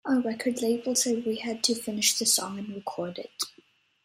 Our record label said we had to finish the song and record it.